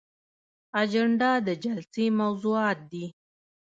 اجنډا د جلسې موضوعات دي